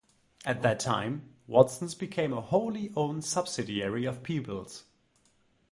At that time, Watson's became a wholly owned subsidiary of Peebles.